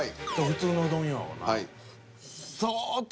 普通のうどんよ。